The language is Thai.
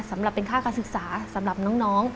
สำหรับเป็นค่าการศึกษาสำหรับน้อง